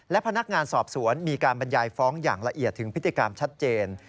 และพนักงานสอบสวนมีการบรรยายฟ้องอย่างละเอียดถึงพฤติกรรมชัดเจน